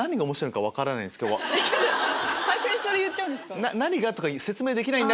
最初にそれ言っちゃうんですか？